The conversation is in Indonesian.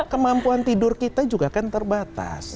kemampuan tidur kita juga kan terbatas